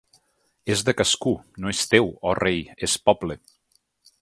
És de cascú, no és teu, oh rei, és poble.